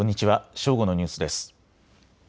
正午のニュースです。